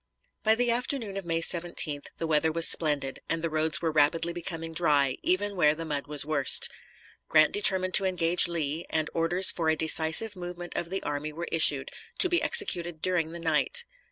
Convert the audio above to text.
By the afternoon of May 17th the weather was splendid, and the roads were rapidly becoming dry, even where the mud was worst. Grant determined to engage Lee, and orders for a decisive movement of the army were issued, to be executed during the night.